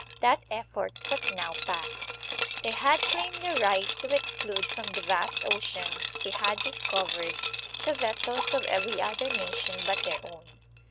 That effort was now passed. They had claimed the right to exclude from the vast oceans they had discovered the vessels of every other nation but their own.